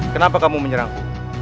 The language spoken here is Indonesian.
kenapa kamu menyerangku